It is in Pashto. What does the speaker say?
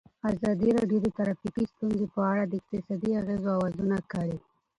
ازادي راډیو د ټرافیکي ستونزې په اړه د اقتصادي اغېزو ارزونه کړې.